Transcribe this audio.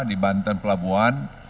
tim di banten pelabuhan